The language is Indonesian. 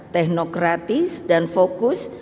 teknokratis dan fokus